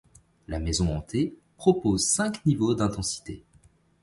La maison hantée propose cinq niveaux d'intensité.